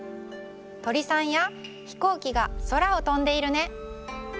とりさんやひこうきがそらをとんでいるね。